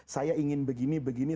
saya ingin begini begini